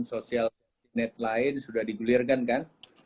sosial net lain sudah digulirkan kan